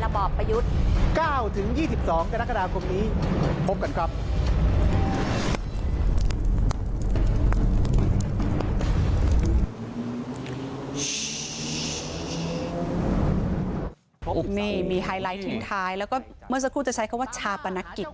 แล้วก็เมื่อสักครู่จะใช้คำว่าชาปนกิจ